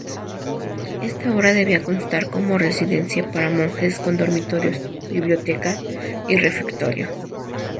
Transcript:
Esta obra debía constar como residencia para monjes con dormitorios, biblioteca y refectorio.